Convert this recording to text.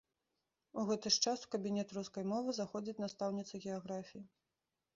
У гэты ж час у кабінет рускай мовы заходзіць настаўніца геаграфіі.